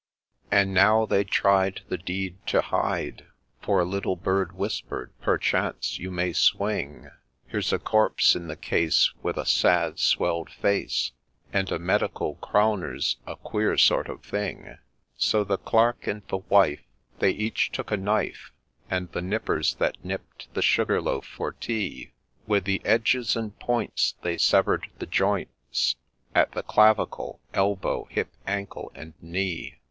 And now they tried 'the deed to hide; For a little bird whisper'd, ' Perchance you may swing ; Here 's a corpse in the case with a sad swell'd face, And a Medical Crowner's a queer sort of thing !' So the Clerk and the wife, they each took a knife, And the nippers that nipp'd the loaf sugar for tea ; With the edges and points they severed the joints At the clavicle, elbow, hip, ankle, and knee.